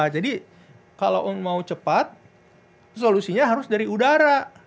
jadi kalau mau cepat solusinya harus dari udara